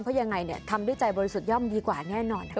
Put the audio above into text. เพราะยังไงทำด้วยใจบริสุทธิย่อมดีกว่าแน่นอนค่ะ